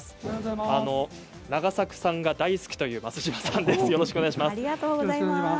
永作さんが大好きという益島さんです。